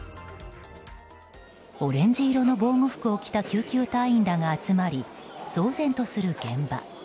オレンジ色の防護服を着た救急隊員らが集まり騒然とする現場。